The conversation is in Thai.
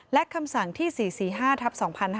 และคำสั่งที่๔๔๕ทับ๒๕๕๙